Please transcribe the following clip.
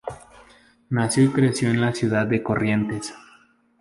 Nació y creció en la ciudad de Corrientes.